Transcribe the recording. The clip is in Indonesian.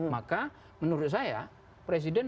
maka menurut saya presiden